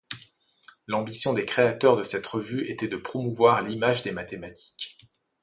L'ambition des créateurs de cette revue était de promouvoir l'image des mathématiques.